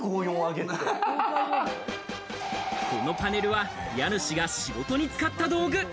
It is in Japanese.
このパネルは家主が仕事に使った道具。